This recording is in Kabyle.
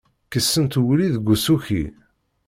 Kessent wulli deg usuki.